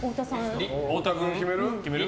太田君、決める？